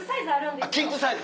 キッズサイズ